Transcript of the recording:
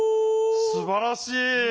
すばらしい！